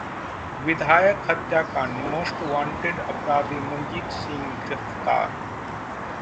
विधायक हत्याकांड: most wanted अपराधी मंजीत सिंह गिरफ्तार